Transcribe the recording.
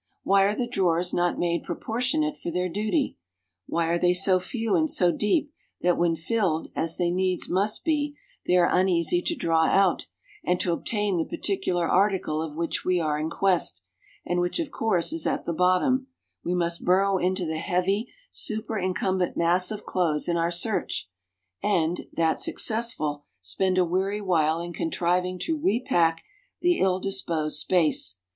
Why are the drawers not made proportionate for their duty? Why are they so few and so deep that when filled as they needs must be they are uneasy to draw out, and to obtain the particular article of which we are in quest, and which of course is at the bottom, we must burrow into the heavy super incumbent mass of clothes in our search, and that successful spend a weary while in contriving to repack the ill disposed space.